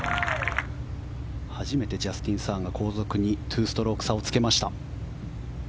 初めてジャスティン・サーが後続に２ストローク差をつけました。